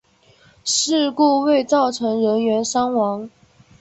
事故未造成人员伤亡。